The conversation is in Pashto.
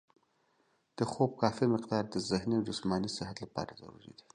د خوب کافي مقدار د ذهني او جسماني صحت لپاره ضروري دی.